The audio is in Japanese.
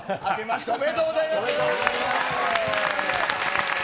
おめでとうございます。